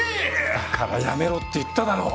だからやめろって言っただろ。